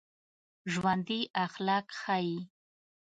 ژوندي اخلاق ښيي